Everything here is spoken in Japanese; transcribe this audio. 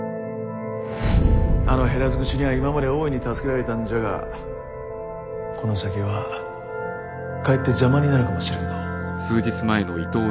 あの減らず口にゃ今まで大いに助けられたんじゃがこの先はかえって邪魔になるかもしれんのう。